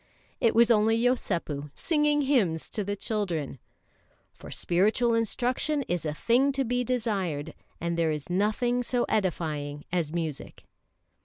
It was only Yosépu singing hymns to the children. "For spiritual instruction is a thing to be desired, and there is nothing so edifying as music."